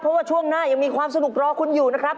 เพราะว่าช่วงหน้ายังมีความสนุกรอคุณอยู่นะครับ